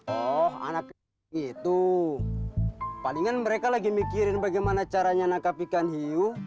oh anak itu palingan mereka lagi mikirin bagaimana caranya nangkap ikan hiu